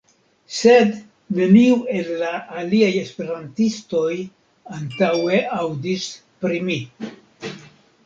Sed, neniu el la aliaj Esperantistoj antaŭe aŭdis pri mi.